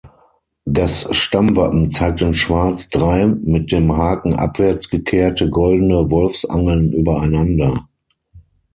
Das Stammwappen zeigt in Schwarz drei mit dem Haken abwärts gekehrte goldene Wolfsangeln übereinander.